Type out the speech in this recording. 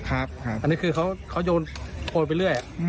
อันนี้คือเขาโยนโอนไปเรื่อย